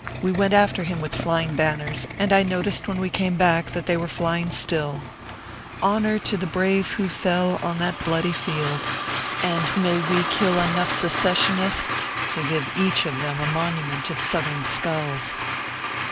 We went after him with flying banners, and I noticed when we came back that they were flying still ! Honor to the brave who fell on that bloody field ! and may we kill enough secessionists to give each of them a monument of Southern skulls